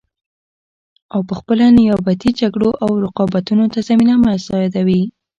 او پخپله نیابتي جګړو او رقابتونو ته زمینه مساعدوي